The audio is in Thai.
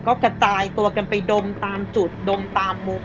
ก็กระจายตัวกันไปดมตามจุดดมตามมุก